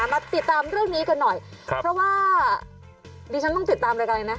มาติดตามเรื่องนี้กันหน่อยเพราะว่าดิจะต้องติดตามอะไรกันอะไรนะ